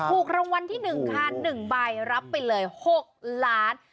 ถูกรางวัลที่๑ค่ะ๑ใบรับไปเลย๖ล้าน